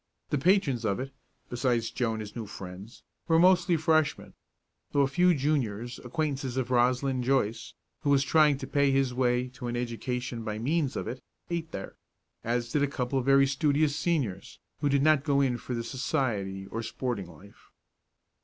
The patrons of it, besides Joe and his new friends, were mostly Freshmen, though a few Juniors, acquaintances of Roslyn Joyce, who was trying to pay his way to an education by means of it, ate there, as did a couple of very studious Seniors, who did not go in for the society or sporting life.